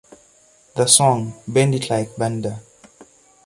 The song Bend It Like Bender!